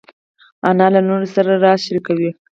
انا له لوڼو سره راز شریکوي